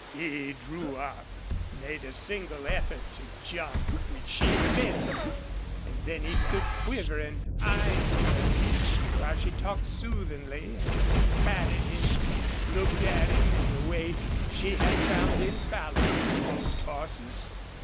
He drew up, made a single effort to jump, which she prevented, and then he stood quivering, eying her, while she talked soothingly, and patted him and looked at him in the way she had found infallible with most horses.